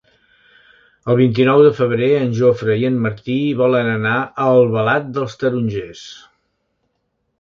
El vint-i-nou de febrer en Jofre i en Martí volen anar a Albalat dels Tarongers.